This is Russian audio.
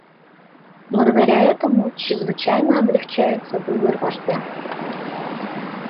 Благодаря этому чрезвычайно облегчается выбор вождя.